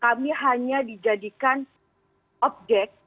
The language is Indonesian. kami hanya dijadikan objek